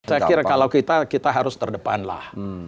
saya kira kalau kita kita harus terdepan lah